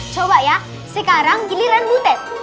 coba ya sekarang giliran butet